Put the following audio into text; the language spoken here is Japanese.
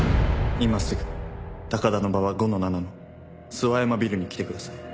「今すぐ高田馬場５−７の諏訪山ビルに来てください」